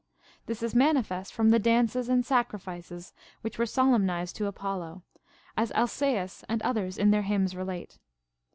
This is manifest from the dances and sacrifices which were solemnized to Apollo, as Alcaeus and others in their hymns relate.